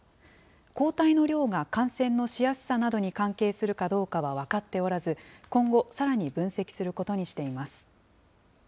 抗体の量が感染のしやすさなどに関係するかどうかは分かっておらず、今後、さらに分析することにしています。